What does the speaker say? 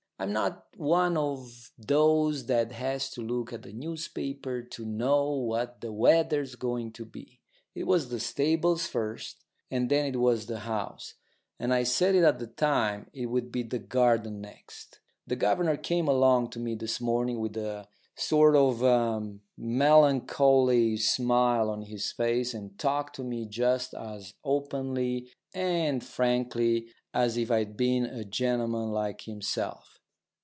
I'm not one of those that has to look at a newspaper to know what the weather's going to be. It was the stables first, and then it was the house, and I said at the time it would be the garden next. The governor came along to me this morning with a sort of melancholy smile on his face, and talked to me just as openly and frankly as if I'd been a gentleman like himself.